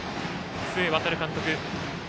須江航監督。